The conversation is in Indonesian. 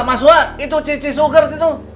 mas suha itu cici sugert itu